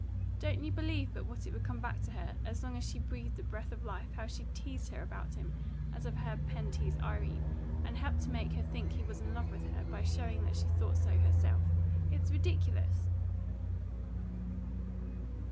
Don't you believe but what it would come back to her, as long as she breathed the breath of life, how she'd teased her about him, as I've heard Pen tease Irene, and helped to make her think he was in love with her, by showing that she thought so herself? It's ridiculous!"